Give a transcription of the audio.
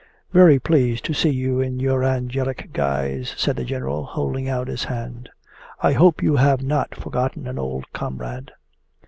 'Very pleased to see you in your angelic guise,' said the general, holding out his hand. 'I hope you have not forgotten an old comrade.